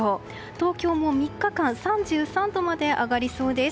東京も３日間３３度まで上がりそうです。